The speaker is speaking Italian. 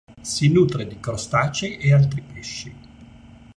Si nutre di crostacei e altri pesci.